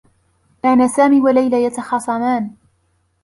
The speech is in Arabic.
كانا سامي و ليلى يتخاصمان.